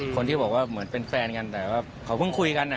คนที่บอกว่าเหมือนเป็นแฟนกันแต่ว่าเขาเพิ่งคุยกัน